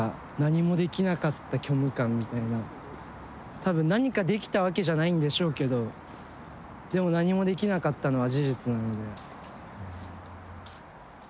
多分何かできたわけじゃないんでしょうけどでも何もできなかったのは事実なので。